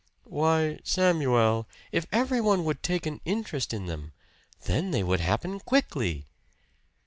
"Why, Samuel " "If everyone would take an interest in them then they would happen quickly!"